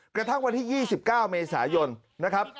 กระทั่งวันที่๒๙เมษายนนะครับ